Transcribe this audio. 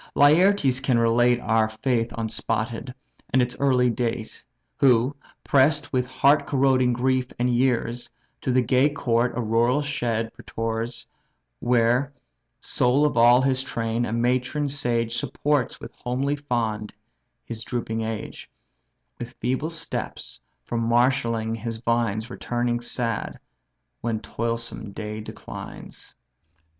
Laertes can relate Our faith unspotted, and its early date; Who, press'd with heart corroding grief and years, To the gay court a rural shed prefers, Where, sole of all his train, a matron sage Supports with homely fond his drooping age, With feeble steps from marshalling his vines Returning sad, when toilsome day declines.